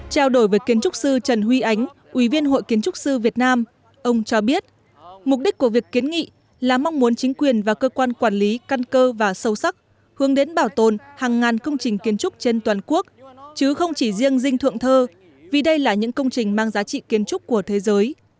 trao đổi với kiến trúc sư trần huy ánh viên hội kiến trúc sư việt nam ông cho biết mục đích của việc kiến nghị là mong muốn chính quyền và cơ quan quản lý căn cơ và sâu sắc hướng đến bảo tồn hàng ngàn công trình kiến trúc trên toàn quốc chứ không chỉ riêng dinh thượng thơ vì đây là những công trình mang giá trị kiến trúc của thế giới